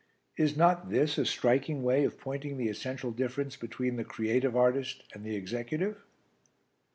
Is not this a striking way of pointing the essential difference between the creative artist and the executive?"